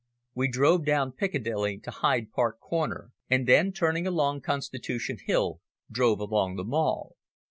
We drove down Piccadilly to Hyde Park Corner, and then, turning along Constitution Hill, drove along the Mall.